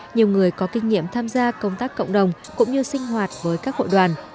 nhiều người có kinh nghiệm tham gia công tác cộng đồng cũng như sinh hoạt với các hội đoàn